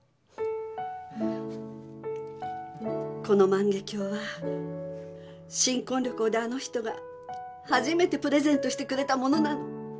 この万華鏡は新婚旅行であの人がはじめてプレゼントしてくれたものなの。